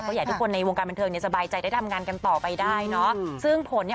เขาอยากให้ทุกคนในวงการบันเทิงสบายใจได้ทำงานกันต่อไปได้เนาะ